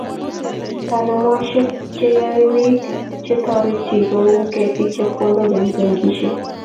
Taalumaisiek che yoei bik che terchin kou keit chepkondok eng benkisiek